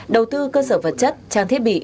đầu tư cơ sở vật chất trang thiết bị